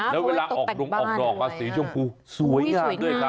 แล้วเวลาออกดวงออกสีชมพูสวยอ่ะ